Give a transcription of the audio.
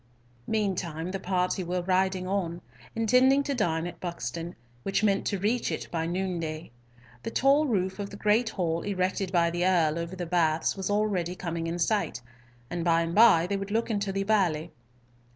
Meantime the party were riding on, intending to dine at Buxton, which meant to reach it by noonday. The tall roof of the great hall erected by the Earl over the baths was already coming in sight, and by and by they would look into the valley.